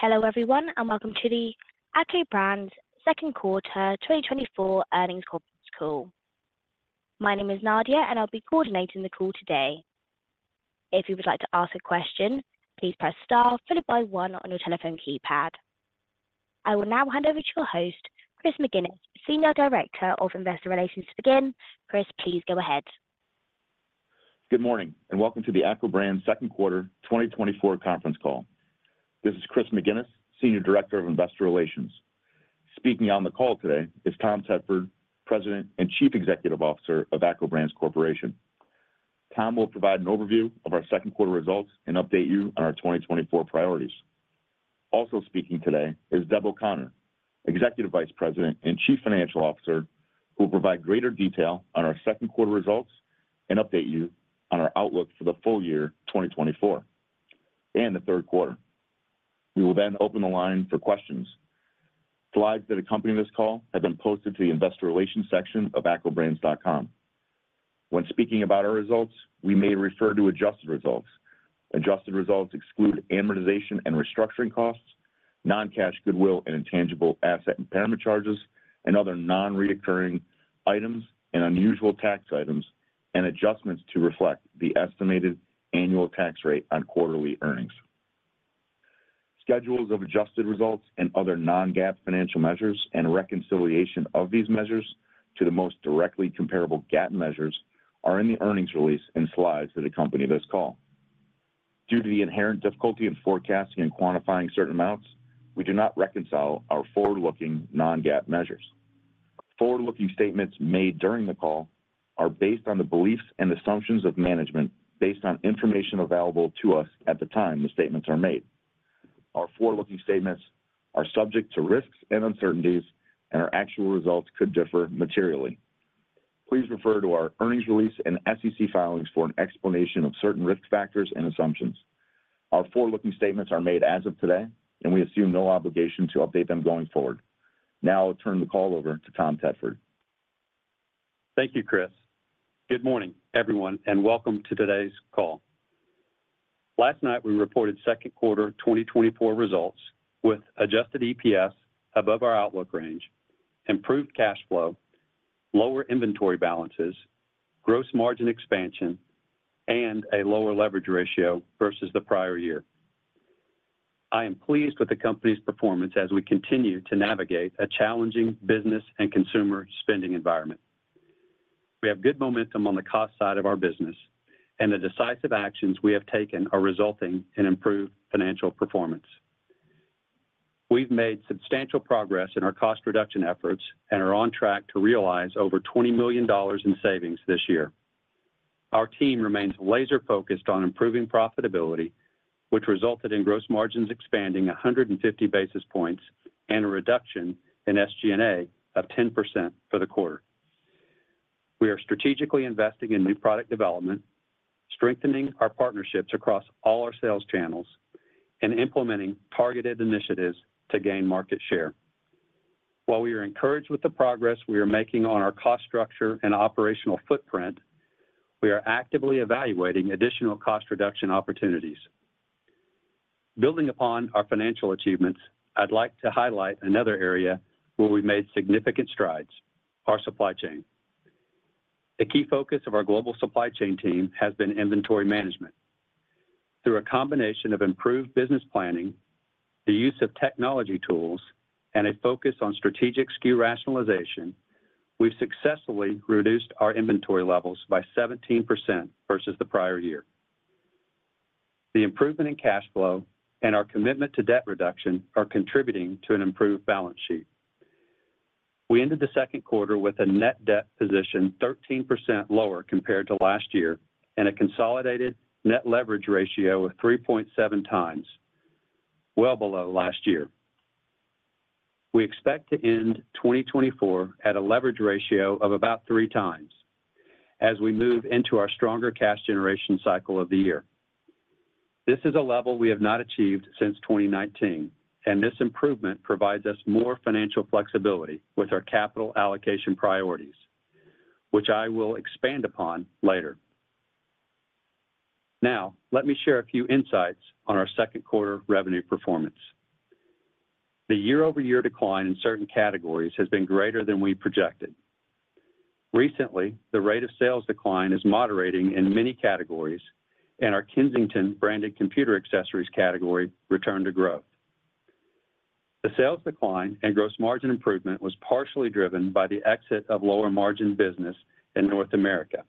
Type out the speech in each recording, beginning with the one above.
Hello, everyone, and welcome to the ACCO Brands Second Quarter 2024 Earnings Conference Call. My name is Nadia, and I'll be coordinating the call today. If you would like to ask a question, please press star followed by one on your telephone keypad. I will now hand over to your host, Chris McGinnis, Senior Director of Investor Relations, to begin. Chris, please go ahead. Good morning, and welcome to the ACCO Brands Second Quarter 2024 conference call. This is Chris McGinnis, Senior Director of Investor Relations. Speaking on the call today is Tom Tedford, President and Chief Executive Officer of ACCO Brands Corporation. Tom will provide an overview of our second quarter results and update you on our 2024 priorities. Also speaking today is Deb O'Connor, Executive Vice President and Chief Financial Officer, who will provide greater detail on our second quarter results and update you on our outlook for the full year 2024 and the third quarter. We will then open the line for questions. Slides that accompany this call have been posted to the Investor Relations section of accobrands.com. When speaking about our results, we may refer to adjusted results. Adjusted results exclude amortization and restructuring costs, non-cash goodwill and intangible asset impairment charges, and other non-recurring items and unusual tax items, and adjustments to reflect the estimated annual tax rate on quarterly earnings. Schedules of adjusted results and other non-GAAP financial measures and reconciliation of these measures to the most directly comparable GAAP measures are in the earnings release and slides that accompany this call. Due to the inherent difficulty in forecasting and quantifying certain amounts, we do not reconcile our forward-looking non-GAAP measures. Forward-looking statements made during the call are based on the beliefs and assumptions of management, based on information available to us at the time the statements are made. Our forward-looking statements are subject to risks and uncertainties, and our actual results could differ materially. Please refer to our earnings release and SEC filings for an explanation of certain risk factors and assumptions. Our forward-looking statements are made as of today, and we assume no obligation to update them going forward. Now I'll turn the call over to Tom Tedford. Thank you, Chris. Good morning, everyone, and welcome to today's call. Last night, we reported second quarter 2024 results with adjusted EPS above our outlook range, improved cash flow, lower inventory balances, gross margin expansion, and a lower leverage ratio versus the prior year. I am pleased with the company's performance as we continue to navigate a challenging business and consumer spending environment. We have good momentum on the cost side of our business, and the decisive actions we have taken are resulting in improved financial performance. We've made substantial progress in our cost reduction efforts and are on track to realize over $20 million in savings this year. Our team remains laser-focused on improving profitability, which resulted in gross margins expanding 150 basis points and a reduction in SG&A of 10% for the quarter. We are strategically investing in new product development, strengthening our partnerships across all our sales channels, and implementing targeted initiatives to gain market share. While we are encouraged with the progress we are making on our cost structure and operational footprint, we are actively evaluating additional cost reduction opportunities. Building upon our financial achievements, I'd like to highlight another area where we've made significant strides: our supply chain. A key focus of our global supply chain team has been inventory management. Through a combination of improved business planning, the use of technology tools, and a focus on strategic SKU rationalization, we've successfully reduced our inventory levels by 17% versus the prior year. The improvement in cash flow and our commitment to debt reduction are contributing to an improved balance sheet. We ended the second quarter with a net debt position 13% lower compared to last year and a consolidated net leverage ratio of 3.7x well below last year. We expect to end 2024 at a leverage ratio of about 3x as we move into our stronger cash generation cycle of the year. This is a level we have not achieved since 2019, and this improvement provides us more financial flexibility with our capital allocation priorities, which I will expand upon later. Now, let me share a few insights on our second quarter revenue performance. The year-over-year decline in certain categories has been greater than we projected. Recently, the rate of sales decline is moderating in many categories, and our Kensington-branded computer accessories category returned to growth. The sales decline and gross margin improvement was partially driven by the exit of lower-margin business in North America,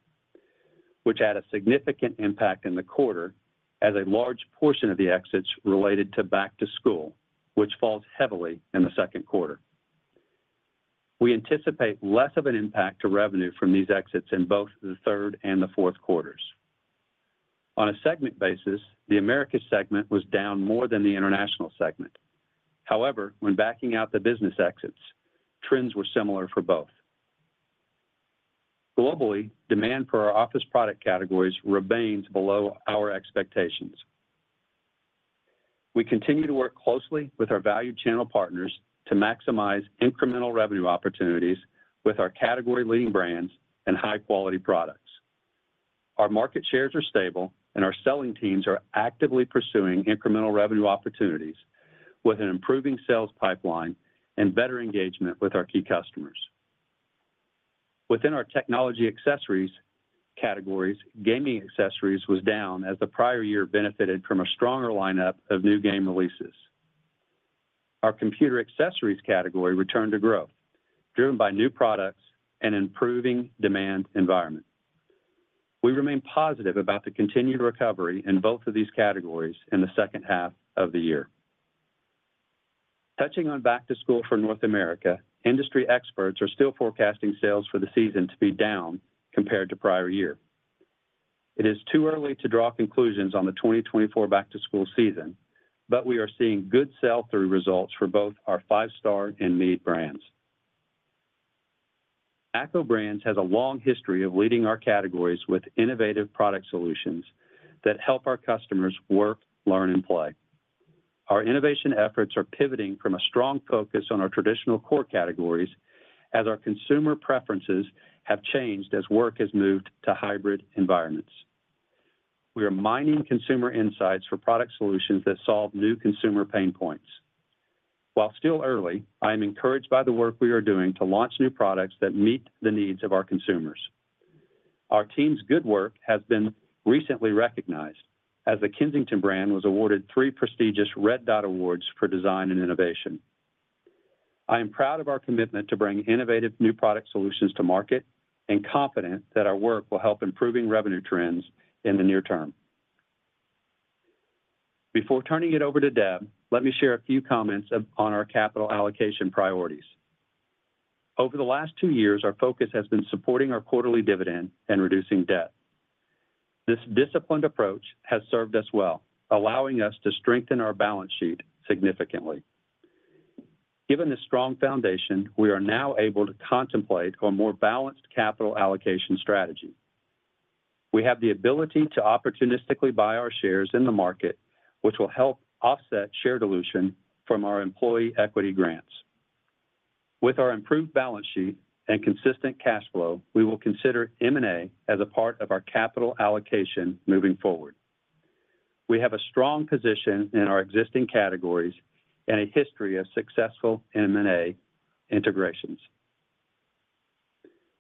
which had a significant impact in the quarter as a large portion of the exits related to back to school, which falls heavily in the second quarter. We anticipate less of an impact to revenue from these exits in both the third and the fourth quarters. On a segment basis, the Americas segment was down more than the International segment. However, when backing out the business exits, trends were similar for both. Globally, demand for our office product categories remains below our expectations. We continue to work closely with our valued channel partners to maximize incremental revenue opportunities with our category-leading brands and high-quality products.... Our market shares are stable, and our selling teams are actively pursuing incremental revenue opportunities with an improving sales pipeline and better engagement with our key customers. Within our technology accessories categories, gaming accessories was down, as the prior year benefited from a stronger lineup of new game releases. Our computer accessories category returned to growth, driven by new products and improving demand environment. We remain positive about the continued recovery in both of these categories in the second half of the year. Touching on back-to-school for North America, industry experts are still forecasting sales for the season to be down compared to prior year. It is too early to draw conclusions on the 2024 back-to-school season, but we are seeing good sell-through results for both our Five Star and Mead brands. ACCO Brands has a long history of leading our categories with innovative product solutions that help our customers work, learn, and play. Our innovation efforts are pivoting from a strong focus on our traditional core categories as our consumer preferences have changed as work has moved to hybrid environments. We are mining consumer insights for product solutions that solve new consumer pain points. While still early, I am encouraged by the work we are doing to launch new products that meet the needs of our consumers. Our team's good work has been recently recognized, as the Kensington brand was awarded three prestigious Red Dot Awards for design and innovation. I am proud of our commitment to bring innovative new product solutions to market and confident that our work will help improving revenue trends in the near term. Before turning it over to Deb, let me share a few comments on our capital allocation priorities. Over the last two years, our focus has been supporting our quarterly dividend and reducing debt. This disciplined approach has served us well, allowing us to strengthen our balance sheet significantly. Given this strong foundation, we are now able to contemplate a more balanced capital allocation strategy. We have the ability to opportunistically buy our shares in the market, which will help offset share dilution from our employee equity grants. With our improved balance sheet and consistent cash flow, we will consider M&A as a part of our capital allocation moving forward. We have a strong position in our existing categories and a history of successful M&A integrations.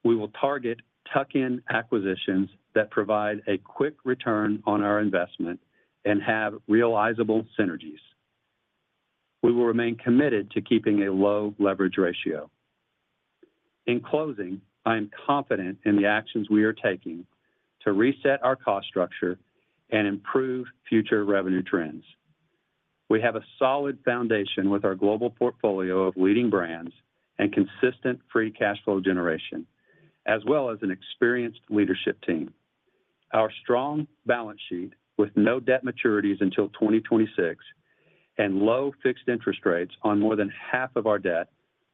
We will target tuck-in acquisitions that provide a quick return on our investment and have realizable synergies. We will remain committed to keeping a low leverage ratio. In closing, I am confident in the actions we are taking to reset our cost structure and improve future revenue trends. We have a solid foundation with our global portfolio of leading brands and consistent free cash flow generation, as well as an experienced leadership team. Our strong balance sheet, with no debt maturities until 2026, and low fixed interest rates on more than half of our debt,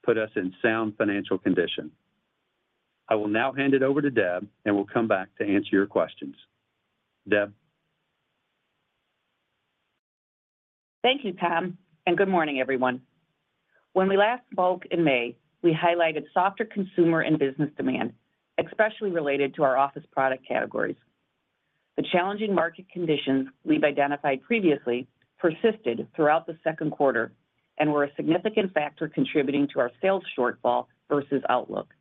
put us in sound financial condition. I will now hand it over to Deb, and we'll come back to answer your questions. Deb? Thank you, Tom, and good morning, everyone. When we last spoke in May, we highlighted softer consumer and business demand, especially related to our office product categories. The challenging market conditions we've identified previously persisted throughout the second quarter and were a significant factor contributing to our sales shortfall versus outlook.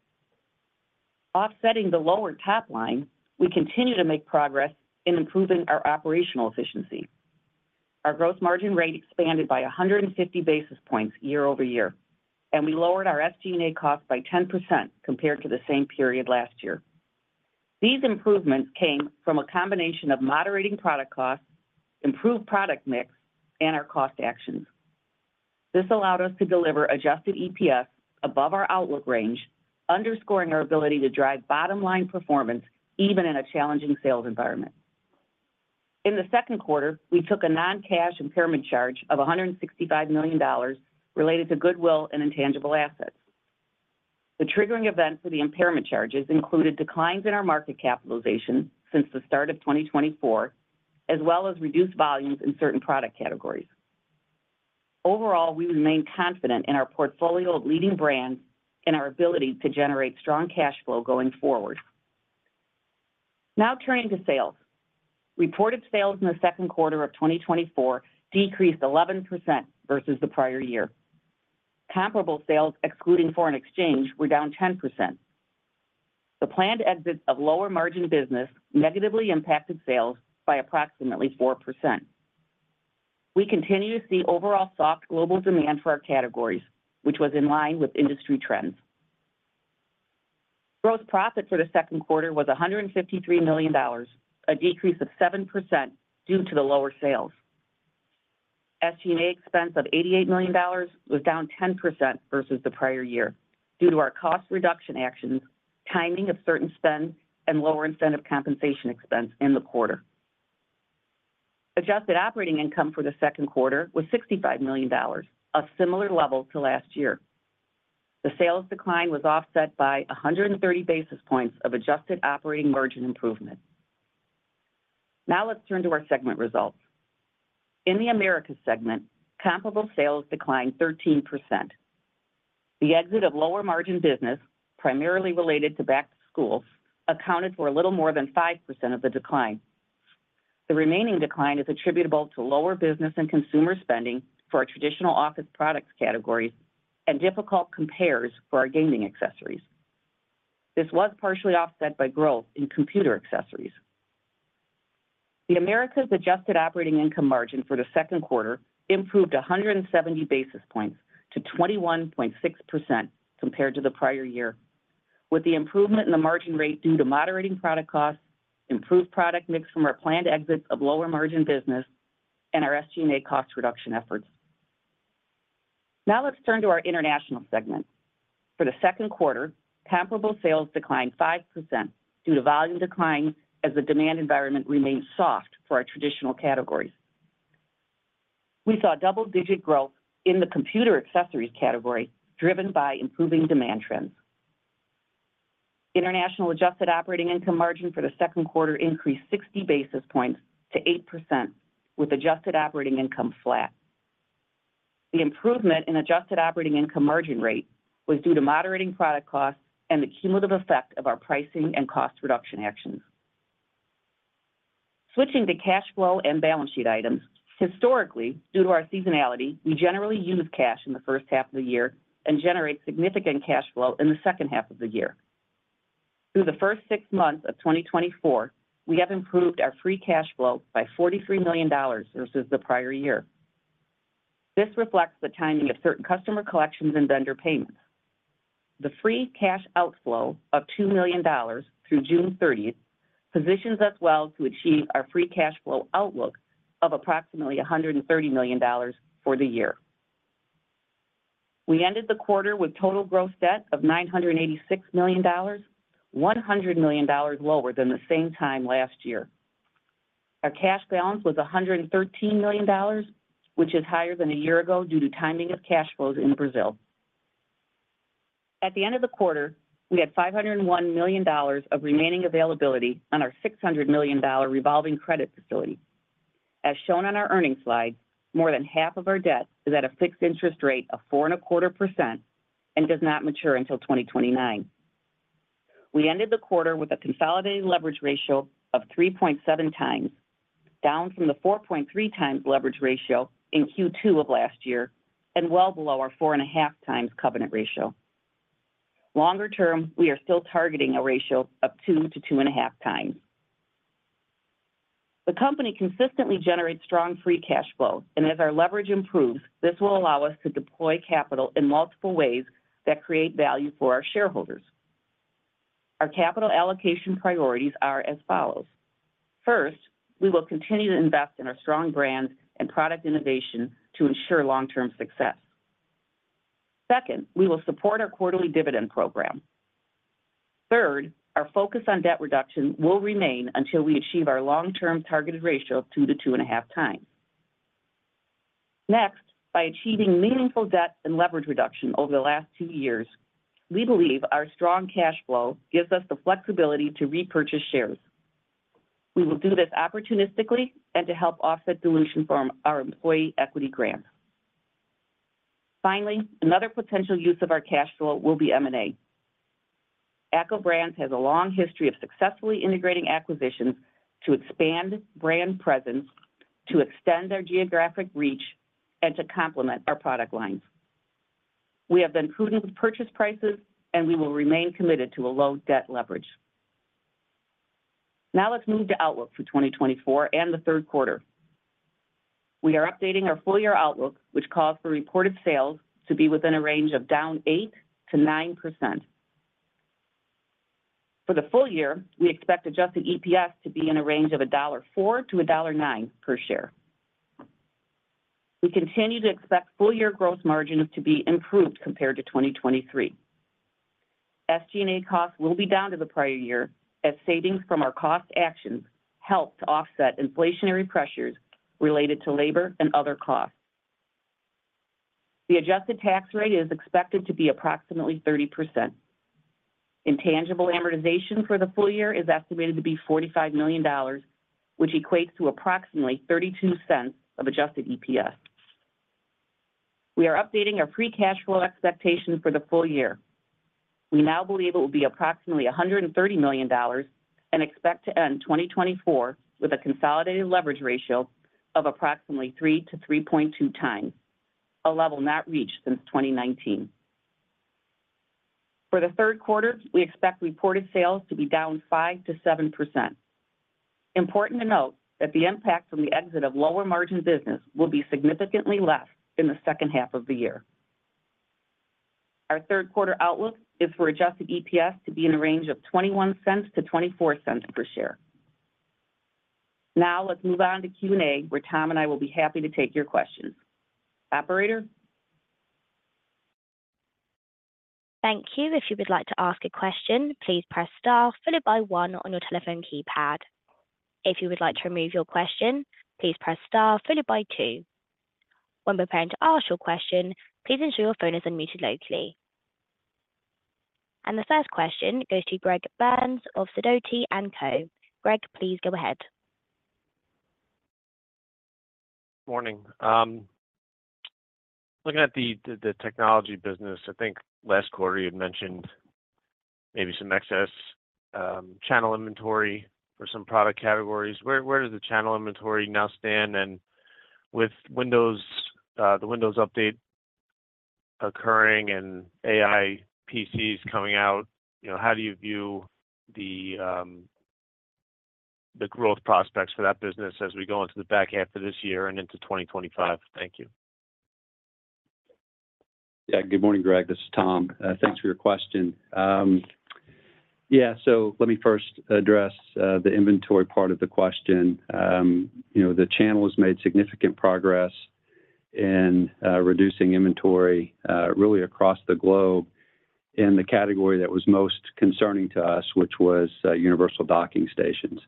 Offsetting the lower top line, we continue to make progress in improving our operational efficiency. Our gross margin rate expanded by 150 basis points year-over-year, and we lowered our SG&A costs by 10% compared to the same period last year. These improvements came from a combination of moderating product costs, improved product mix, and our cost actions. This allowed us to deliver adjusted EPS above our outlook range, underscoring our ability to drive bottom-line performance, even in a challenging sales environment. In the second quarter, we took a non-cash impairment charge of $165 million related to goodwill and intangible assets. The triggering event for the impairment charges included declines in our market capitalization since the start of 2024, as well as reduced volumes in certain product categories. Overall, we remain confident in our portfolio of leading brands and our ability to generate strong cash flow going forward. Now turning to sales. Reported sales in the second quarter of 2024 decreased 11% versus the prior year. Comparable sales, excluding foreign exchange, were down 10%. The planned exit of lower-margin business negatively impacted sales by approximately 4%. We continue to see overall soft global demand for our categories, which was in line with industry trends. Gross profit for the second quarter was $153 million, a decrease of 7% due to the lower sales. SG&A expense of $88 million was down 10% versus the prior year due to our cost reduction actions, timing of certain spends, and lower incentive compensation expense in the quarter. Adjusted operating income for the second quarter was $65 million, a similar level to last year. The sales decline was offset by 130 basis points of adjusted operating margin improvement. Now let's turn to our segment results. In the Americas segment, comparable sales declined 13%. The exit of lower margin business, primarily related to back-to-school, accounted for a little more than 5% of the decline. The remaining decline is attributable to lower business and consumer spending for our traditional office products categories and difficult compares for our gaming accessories. This was partially offset by growth in computer accessories. The Americas adjusted operating income margin for the second quarter improved 100 basis points to 21.6% compared to the prior year, with the improvement in the margin rate due to moderating product costs, improved product mix from our planned exits of lower margin business, and our SG&A cost reduction efforts. Now let's turn to our international segment. For the second quarter, comparable sales declined 5% due to volume decline, as the demand environment remained soft for our traditional categories. We saw double-digit growth in the computer accessories category, driven by improving demand trends. International adjusted operating income margin for the second quarter increased 60 basis points to 8%, with adjusted operating income flat. The improvement in adjusted operating income margin rate was due to moderating product costs and the cumulative effect of our pricing and cost reduction actions. Switching to cash flow and balance sheet items. Historically, due to our seasonality, we generally use cash in the first half of the year and generate significant cash flow in the second half of the year. Through the first six months of 2024, we have improved our free cash flow by $43 million versus the prior year. This reflects the timing of certain customer collections and vendor payments. The free cash outflow of $2 million through June thirtieth positions us well to achieve our free cash flow outlook of approximately $130 million for the year. We ended the quarter with total gross debt of $986 million, $100 million lower than the same time last year. Our cash balance was $113 million, which is higher than a year ago due to timing of cash flows in Brazil. At the end of the quarter, we had $501 million of remaining availability on our $600 million revolving credit facility. As shown on our earnings slide, more than half of our debt is at a fixed interest rate of 4.25% and does not mature until 2029. We ended the quarter with a consolidated leverage ratio of 3.7x, down from the 4.3x leverage ratio in Q2 of last year and well below our 4.5x covenant ratio. Longer term, we are still targeting a ratio of 2x-2.5x. The company consistently generates strong free cash flow, and as our leverage improves, this will allow us to deploy capital in multiple ways that create value for our shareholders. Our capital allocation priorities are as follows: First, we will continue to invest in our strong brands and product innovation to ensure long-term success. Second, we will support our quarterly dividend program. Third, our focus on debt reduction will remain until we achieve our long-term targeted ratio of 2x-2.5x. Next, by achieving meaningful debt and leverage reduction over the last 2 years, we believe our strong cash flow gives us the flexibility to repurchase shares. We will do this opportunistically and to help offset dilution from our employee equity grant. Finally, another potential use of our cash flow will be M&A. ACCO Brands has a long history of successfully integrating acquisitions to expand brand presence, to extend our geographic reach, and to complement our product lines. We have been prudent with purchase prices, and we will remain committed to a low debt leverage. Now let's move to outlook for 2024 and the third quarter. We are updating our full-year outlook, which calls for reported sales to be within a range of down 8%-9%. For the full year, we expect adjusted EPS to be in a range of $4-$9 per share. We continue to expect full-year gross margins to be improved compared to 2023. SG&A costs will be down to the prior year, as savings from our cost actions help to offset inflationary pressures related to labor and other costs. The adjusted tax rate is expected to be approximately 30%. Intangible amortization for the full year is estimated to be $45 million, which equates to approximately $0.32 of adjusted EPS. We are updating our free cash flow expectations for the full year. We now believe it will be approximately $130 million and expect to end 2024 with a consolidated leverage ratio of approximately 3x-3.2x, a level not reached since 2019. For the third quarter, we expect reported sales to be down 5%-7%. Important to note that the impact from the exit of lower margin business will be significantly less in the second half of the year. Our third quarter outlook is for Adjusted EPS to be in a range of $0.21-$0.24 per share. Now let's move on to Q&A, where Tom and I will be happy to take your questions. Operator? Thank you. If you would like to ask a question, please press star followed by one on your telephone keypad. If you would like to remove your question, please press star followed by two. When preparing to ask your question, please ensure your phone is unmuted locally.... The first question goes to Greg Burns of Sidoti & Co. Greg, please go ahead. Morning. Looking at the technology business, I think last quarter you had mentioned maybe some excess channel inventory for some product categories. Where does the channel inventory now stand? And with Windows, the Windows update occurring and AI PCs coming out, you know, how do you view the growth prospects for that business as we go into the back half of this year and into 2025? Thank you. Yeah. Good morning, Greg, this is Tom. Thanks for your question. Yeah, so let me first address the inventory part of the question. You know, the channel has made significant progress in reducing inventory really across the globe in the category that was most concerning to us, which was universal docking stations.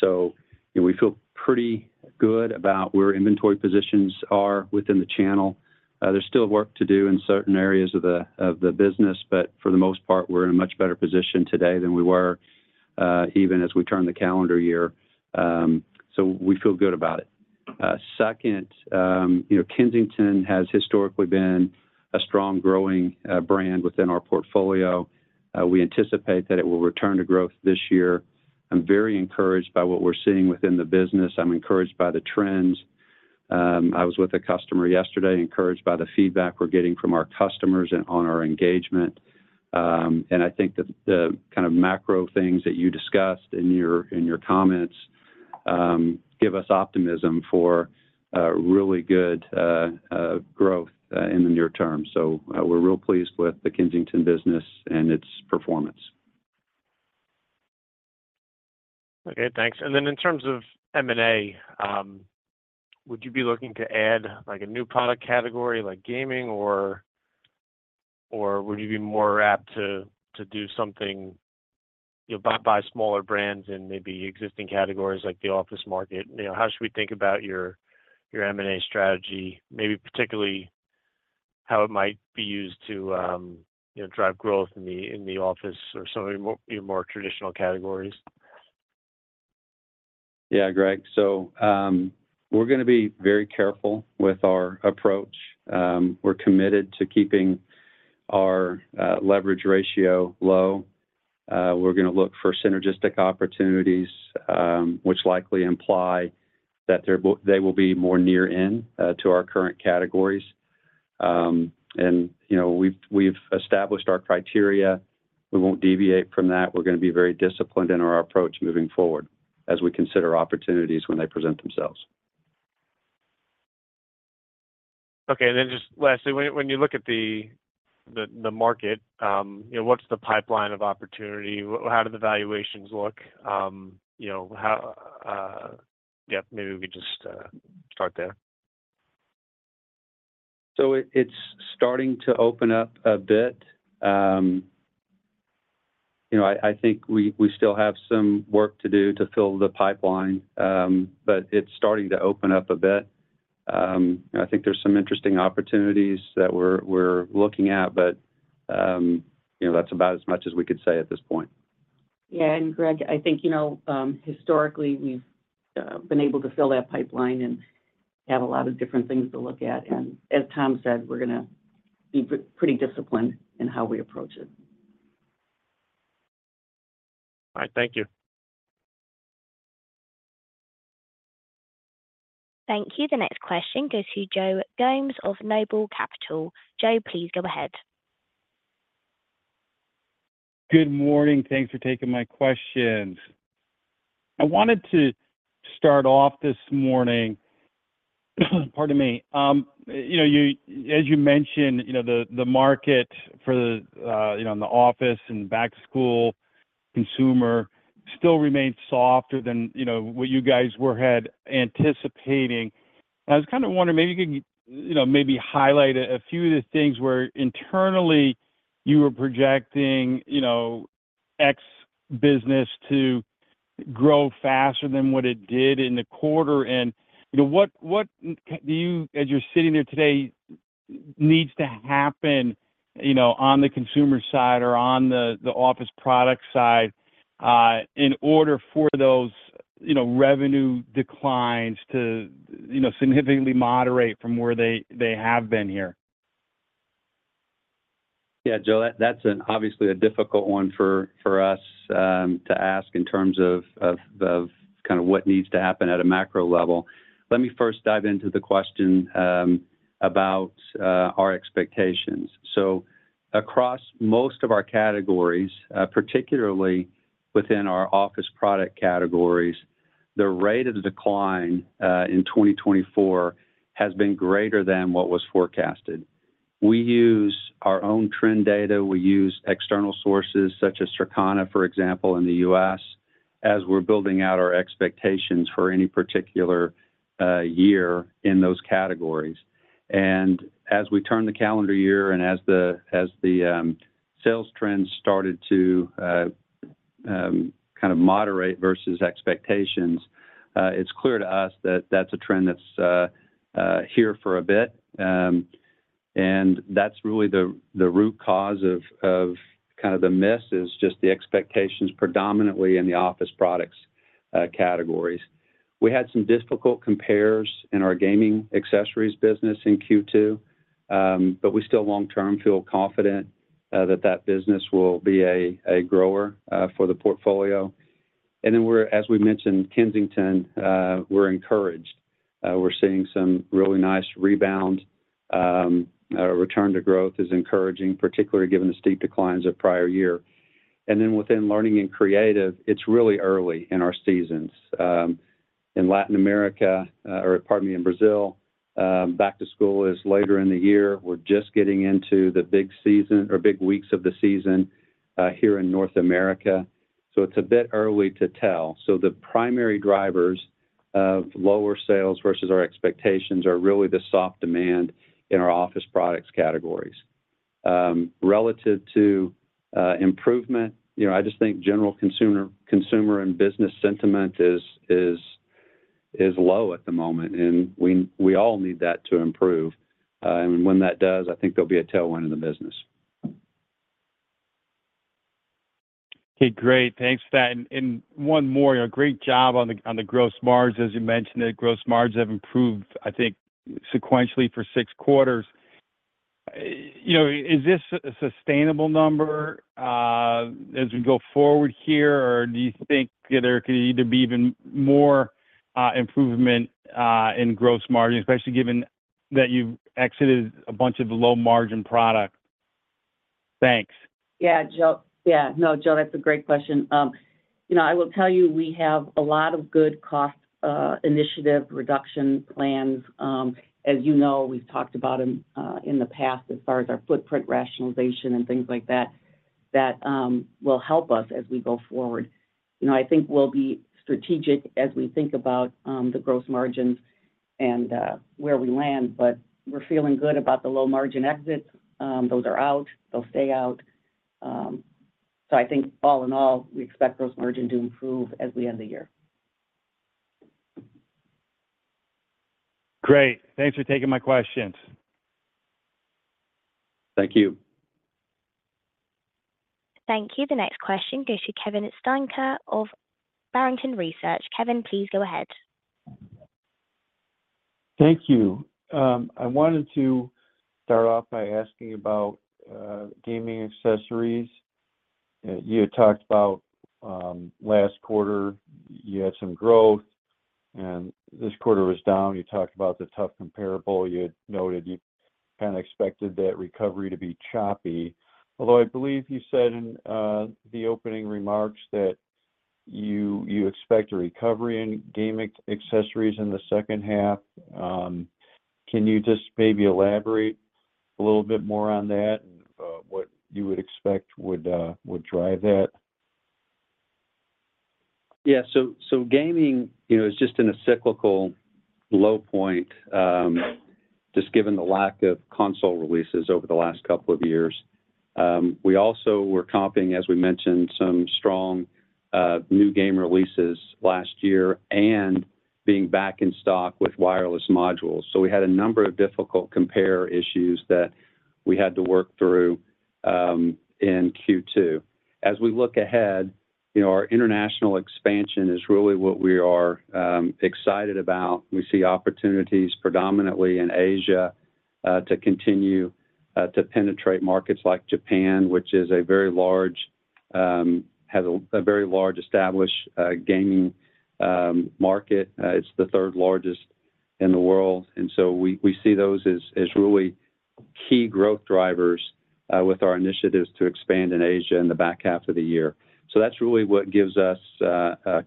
So we feel pretty good about where inventory positions are within the channel. There's still work to do in certain areas of the business, but for the most part, we're in a much better position today than we were even as we turned the calendar year. So we feel good about it. Second, you know, Kensington has historically been a strong growing brand within our portfolio. We anticipate that it will return to growth this year. I'm very encouraged by what we're seeing within the business. I'm encouraged by the trends. I was with a customer yesterday, encouraged by the feedback we're getting from our customers and on our engagement. And I think the kind of macro things that you discussed in your comments give us optimism for really good growth in the near term. So we're real pleased with the Kensington business and its performance. Okay, thanks. And then in terms of M&A, would you be looking to add, like, a new product category, like gaming, or, or would you be more apt to, to do something, you know, buy, buy smaller brands in maybe existing categories like the office market? You know, how should we think about your, your M&A strategy, maybe particularly how it might be used to, you know, drive growth in the, in the office or some of your more, your more traditional categories? Yeah, Greg. So, we're gonna be very careful with our approach. We're committed to keeping our leverage ratio low. We're gonna look for synergistic opportunities, which likely imply that they will be more near in to our current categories. And, you know, we've established our criteria. We won't deviate from that. We're gonna be very disciplined in our approach moving forward as we consider opportunities when they present themselves. Okay, and then just lastly, when you look at the market, you know, what's the pipeline of opportunity? How do the valuations look? You know, how... Yeah, maybe we just start there. So it's starting to open up a bit. You know, I think we still have some work to do to fill the pipeline, but it's starting to open up a bit. And I think there's some interesting opportunities that we're looking at, but you know, that's about as much as we could say at this point. Yeah, and Greg, I think, you know, historically, we've been able to fill that pipeline and have a lot of different things to look at. And as Tom said, we're gonna be pretty disciplined in how we approach it. All right. Thank you. Thank you. The next question goes to Joe Gomes of Noble Capital. Joe, please go ahead. Good morning. Thanks for taking my questions. I wanted to start off this morning, pardon me. You know, you as you mentioned, you know, the market for the, you know, in the office and back-to-school consumer still remains softer than, you know, what you guys were had anticipating. I was kind of wondering, maybe you could, you know, maybe highlight a few of the things where internally you were projecting, you know, X business to grow faster than what it did in the quarter. And, you know, do you, as you're sitting there today, needs to happen, you know, on the consumer side or on the office product side, in order for those, you know, revenue declines to, you know, significantly moderate from where they have been here? Yeah, Joe, that's an obviously a difficult one for us to ask in terms of kind of what needs to happen at a macro level. Let me first dive into the question about our expectations. So across most of our categories, particularly within our office product categories, the rate of decline in 2024 has been greater than what was forecasted. We use our own trend data, we use external sources such as Circana, for example, in the U.S., as we're building out our expectations for any particular year in those categories. And as we turn the calendar year, and as the sales trends started to kind of moderate versus expectations, it's clear to us that that's a trend that's here for a bit. And that's really the root cause of kind of the miss, is just the expectations predominantly in the office products categories. We had some difficult compares in our gaming accessories business in Q2, but we still long-term feel confident that the business will be a grower for the portfolio. And then we're, as we mentioned, Kensington, we're encouraged. We're seeing some really nice rebound. Our return to growth is encouraging, particularly given the steep declines of prior year. And then within learning and creative, it's really early in our seasons. In Latin America, or pardon me, in Brazil, back to school is later in the year. We're just getting into the big season or big weeks of the season here in North America, so it's a bit early to tell. So the primary drivers of lower sales versus our expectations are really the soft demand in our office products categories. Relative to improvement, you know, I just think general consumer and business sentiment is low at the moment, and we all need that to improve. And when that does, I think there'll be a tailwind in the business. Okay, great. Thanks for that. And one more, great job on the gross margins. As you mentioned, the gross margins have improved, I think, sequentially for six quarters. You know, is this a sustainable number as we go forward here? Or do you think there could either be even more improvement in gross margin, especially given that you've exited a bunch of low-margin product? Thanks. Yeah, Joe. Yeah. No, Joe, that's a great question. You know, I will tell you, we have a lot of good cost initiative reduction plans. As you know, we've talked about them in the past as far as our footprint rationalization and things like that, that will help us as we go forward. You know, I think we'll be strategic as we think about the gross margins and where we land, but we're feeling good about the low-margin exits. Those are out. They'll stay out. So I think all in all, we expect gross margin to improve as we end the year. Great. Thanks for taking my questions. Thank you. Thank you. The next question goes to Kevin Steinke of Barrington Research. Kevin, please go ahead. Thank you. I wanted to start off by asking about gaming accessories. You had talked about last quarter, you had some growth, and this quarter was down. You talked about the tough comparable. You had noted you kinda expected that recovery to be choppy. Although, I believe you said in the opening remarks that you expect a recovery in gaming accessories in the second half. Can you just maybe elaborate a little bit more on that, and what you would expect would drive that? Yeah, so gaming, you know, is just in a cyclical low point, just given the lack of console releases over the last couple of years. We also were comping, as we mentioned, some strong new game releases last year and being back in stock with wireless modules. So we had a number of difficult compare issues that we had to work through in Q2. As we look ahead, you know, our international expansion is really what we are excited about. We see opportunities predominantly in Asia to continue to penetrate markets like Japan, which has a very large, established gaming market. It's the third largest in the world, and so we see those as really key growth drivers with our initiatives to expand in Asia in the back half of the year. So that's really what gives us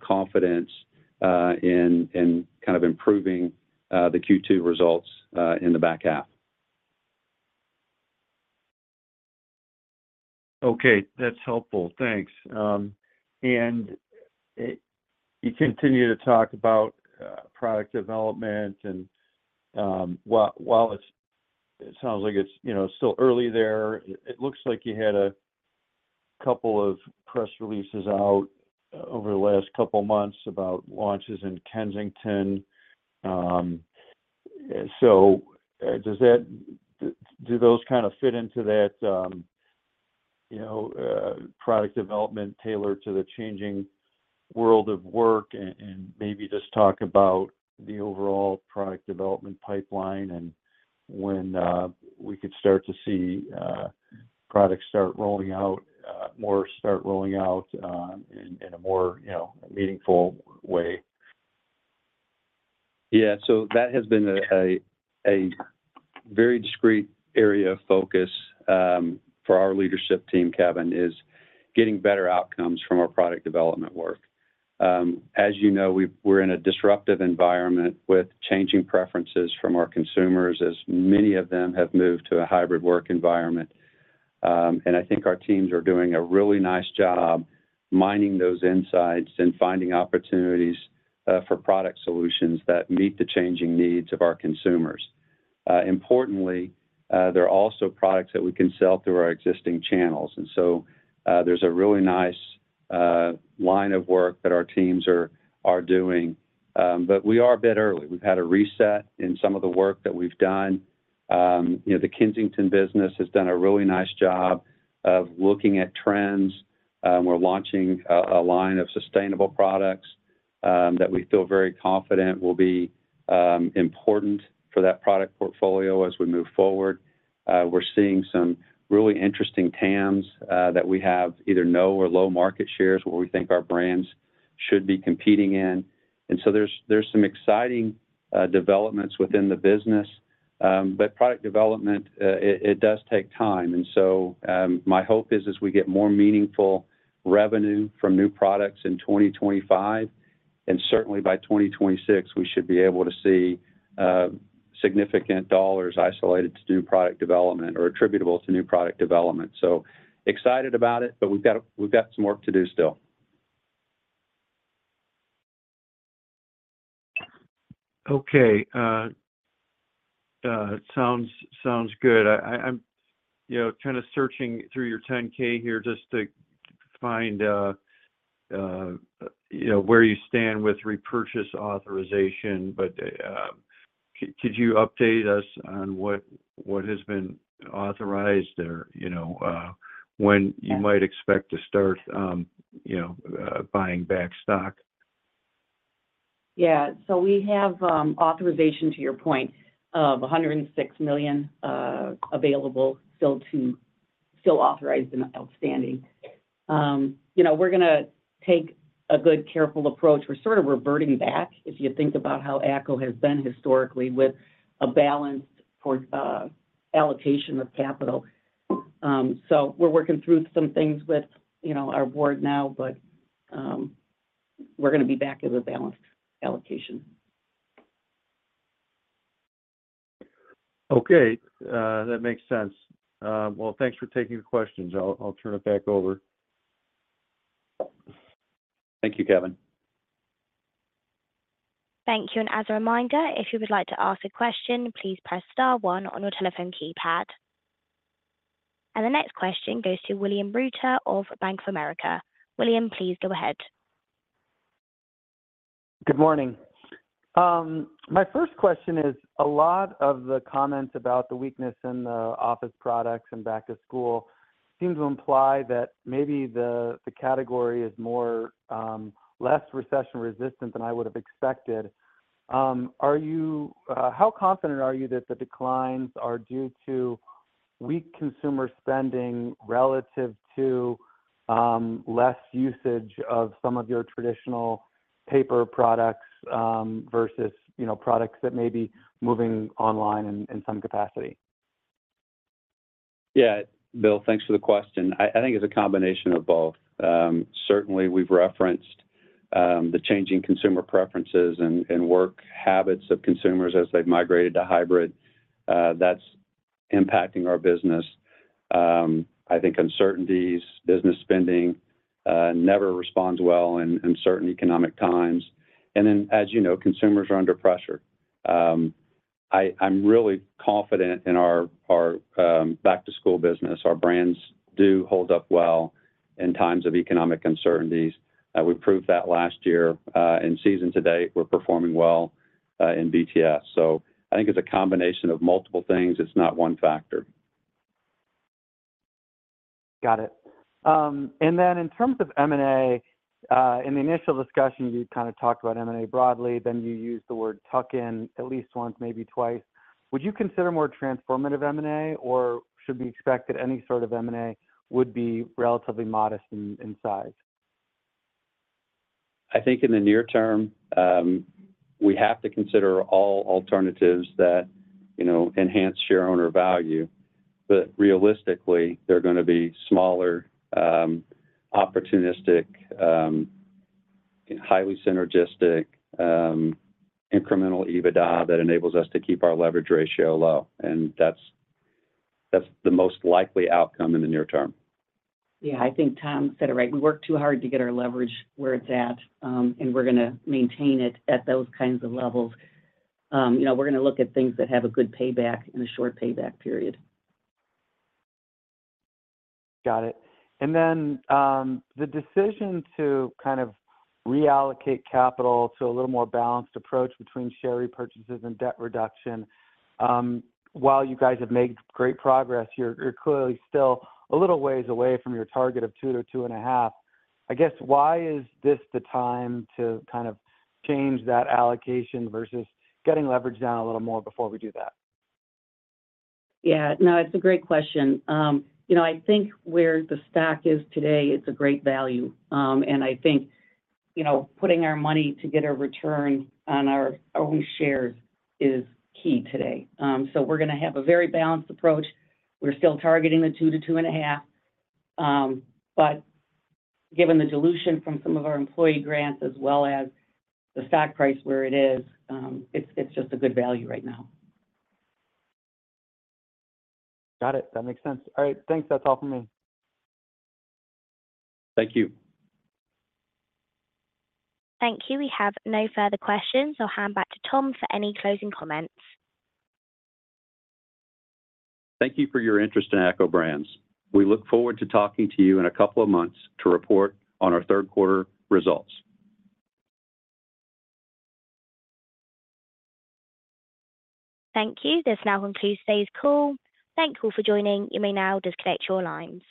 confidence in kind of improving the Q2 results in the back half. Okay, that's helpful. Thanks. And you continue to talk about product development and while it's—it sounds like it's, you know, still early there, it looks like you had a couple of press releases out over the last couple of months about launches in Kensington. So, does that... Do those kind of fit into that, you know, product development tailored to the changing world of work? And maybe just talk about the overall product development pipeline and when we could start to see products start rolling out, more start rolling out in a more, you know, meaningful way. Yeah. So that has been a very discrete area of focus for our leadership team, Kevin, is getting better outcomes from our product development work. As you know, we're in a disruptive environment with changing preferences from our consumers, as many of them have moved to a hybrid work environment. And I think our teams are doing a really nice job mining those insights and finding opportunities for product solutions that meet the changing needs of our consumers. Importantly, there are also products that we can sell through our existing channels. And so, there's a really nice line of work that our teams are doing. But we are a bit early. We've had a reset in some of the work that we've done. You know, the Kensington business has done a really nice job of looking at trends. We're launching a line of sustainable products that we feel very confident will be important for that product portfolio as we move forward. We're seeing some really interesting TAMs that we have either no or low market shares, where we think our brands should be competing in. And so there's some exciting developments within the business. But product development, it does take time. And so my hope is as we get more meaningful revenue from new products in 2025, and certainly by 2026, we should be able to see significant dollars isolated to new product development or attributable to new product development. So excited about it, but we've got some work to do still. Okay. Sounds good. I'm, you know, kind of searching through your 10-K here just to find, you know, where you stand with repurchase authorization. But, could you update us on what has been authorized or, you know, when you might expect to start, you know, buying back stock? Yeah. So we have authorization, to your point, of $106 million available, still authorized and outstanding. You know, we're gonna take a good, careful approach. We're sort of reverting back, if you think about how ACCO has been historically, with a balanced for allocation of capital. So we're working through some things with, you know, our board now, but we're gonna be back as a balanced allocation. Okay. That makes sense. Well, thanks for taking the questions. I'll turn it back over. Thank you, Kevin. Thank you, and as a reminder, if you would like to ask a question, please press star one on your telephone keypad. The next question goes to William Reuter of Bank of America. William, please go ahead. Good morning. My first question is, a lot of the comments about the weakness in the office products and back to school seem to imply that maybe the category is more, less recession-resistant than I would have expected. Are you how confident are you that the declines are due to weak consumer spending relative to, less usage of some of your traditional paper products, versus, you know, products that may be moving online in some capacity? Yeah. Bill, thanks for the question. I think it's a combination of both. Certainly, we've referenced the changing consumer preferences and work habits of consumers as they've migrated to hybrid. That's impacting our business. I think uncertainties, business spending, never responds well in certain economic times. And then, as you know, consumers are under pressure. I'm really confident in our back to school business. Our brands do hold up well in times of economic uncertainties. We proved that last year, in season to date, we're performing well in BTS. So I think it's a combination of multiple things. It's not one factor. Got it. And then in terms of M&A, in the initial discussion, you kind of talked about M&A broadly, then you used the word tuck in at least once, maybe twice. Would you consider more transformative M&A, or should we expect that any sort of M&A would be relatively modest in size? I think in the near term, we have to consider all alternatives that, you know, enhance share owner value, but realistically, they're gonna be smaller, opportunistic, highly synergistic, incremental EBITDA that enables us to keep our leverage ratio low, and that's, that's the most likely outcome in the near term. Yeah, I think Tom said it right. We worked too hard to get our leverage where it's at, and we're gonna maintain it at those kinds of levels. You know, we're gonna look at things that have a good payback and a short payback period. Got it. And then, the decision to kind of reallocate capital to a little more balanced approach between share repurchases and debt reduction, while you guys have made great progress, you're clearly still a little ways away from your target of 2-2.5. I guess, why is this the time to kind of change that allocation versus getting leverage down a little more before we do that? Yeah. No, it's a great question. You know, I think where the stock is today, it's a great value. And I think, you know, putting our money to get a return on our own shares is key today. So we're gonna have a very balanced approach. We're still targeting the 2-2.5. But given the dilution from some of our employee grants as well as the stock price where it is, it's just a good value right now. Got it. That makes sense. All right, thanks. That's all for me. Thank you. Thank you. We have no further questions. I'll hand back to Tom for any closing comments. Thank you for your interest in ACCO Brands. We look forward to talking to you in a couple of months to report on our third quarter results. Thank you. This now concludes today's call. Thank you for joining. You may now disconnect your lines.